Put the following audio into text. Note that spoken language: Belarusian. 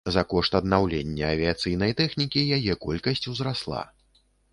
За кошт аднаўлення авіяцыйнай тэхнікі яе колькасць узрасла.